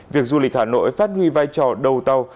việc du lịch hà nội phát huy vai trò đầu tàu